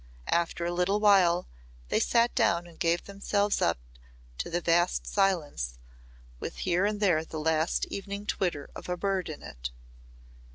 After a little while they sat down and gave themselves up to the vast silence with here and there the last evening twitter of a bird in it.